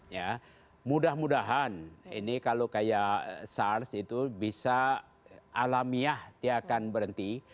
ya mudah mudahan ini kalau kayak sars itu bisa alamiah dia akan berhenti